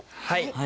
はい。